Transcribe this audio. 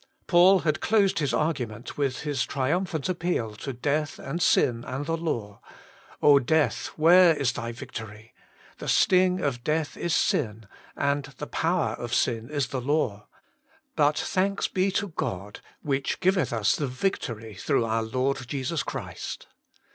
Paid had closed his argument with his triumphant appeal to Death and Sin and the Law :' O Death, where is thy victory? The sting of Death is Sin, and the power of Sin is 71 72 Working for God the Law. But thanks be to God, which giveth us the victory through our Lord Jesus Christ.'